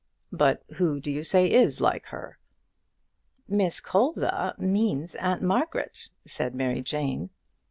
"But who do you say is like her?" "Miss Colza means Aunt Margaret," said Mary Jane.